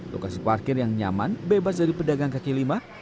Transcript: lokasi parkir yang nyaman bebas dari pedagang kaki lima